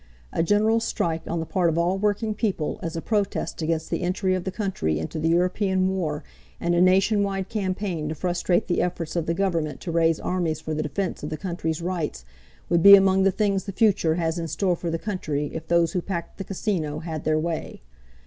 A general strike on the part of all working people as a protest against the entry of the country into the European war, and a nation wide campaign to frustrate the efforts of the Government to raise armies for the defense of the country's rights would be among the things the future has in store for the country if those who packed the Casino had their way.